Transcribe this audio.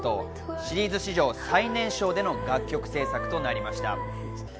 シリーズ史上最年少での楽曲制作となりました。